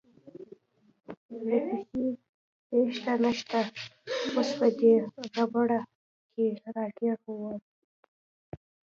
له پېښې تېښته نشته، اوس په دې ربړه کې راګیر ووم.